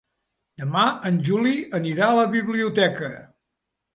Demà en Juli anirà a la biblioteca.